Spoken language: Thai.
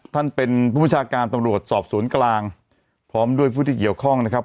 ท่านเป็นผู้ประชาการตำรวจสอบสวนกลางพร้อมด้วยผู้ที่เกี่ยวข้องนะครับ